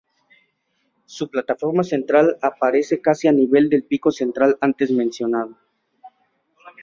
Su plataforma central aparece casi a nivel con el pico central antes mencionado.